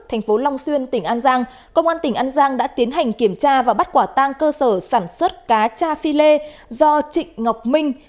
thành phố long xuyên tỉnh an giang công an tỉnh an giang đã tiến hành kiểm tra và bắt quả tang cơ sở sản xuất cá cha phi lê do trịnh ngọc minh